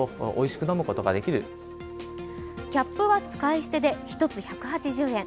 キャップは使い捨てで１つ１８０円。